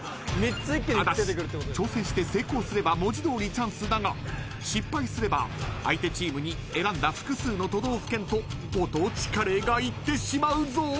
［ただし挑戦して成功すれば文字通りチャンスだが失敗すれば相手チームに選んだ複数の都道府県とご当地カレーがいってしまうぞ］